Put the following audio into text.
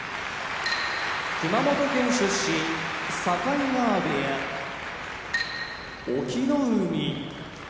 熊本県出身境川部屋隠岐の海